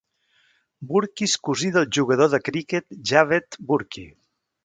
Burki és cosí del jugador de criquet Javed Burki.